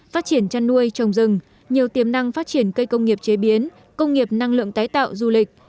phát triển chăn nuôi trồng rừng nhiều tiềm năng phát triển cây công nghiệp chế biến công nghiệp năng lượng tái tạo du lịch